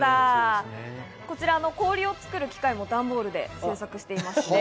こちらの氷を作る機械も段ボールで制作しています。